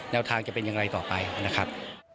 ทางจะเป็นอย่างไรต่อไปนะครับ